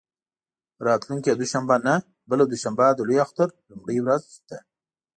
راتلونکې دوشنبه نه، بله دوشنبه د لوی اختر لومړۍ ورځ ده.